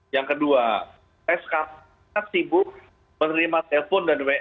yang kedua skp sibuk menerima telepon dan wsb